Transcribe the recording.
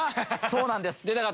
そうなんです。